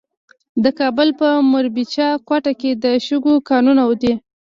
د کابل په میربچه کوټ کې د شګو کانونه دي.